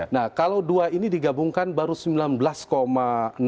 nah kalau dua ini digabungkan baru sembilan belas enam puluh lima persen